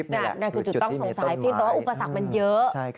นั่นคือจุดต้องสงสัยเพียงแต่ว่าอุปสรรคมันเยอะ